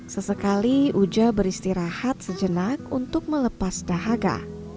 sesekali uja beristirahat sejenak untuk melepas dahaga